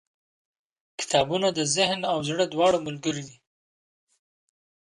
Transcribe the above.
• کتابونه د ذهن او زړه دواړو ملګري دي.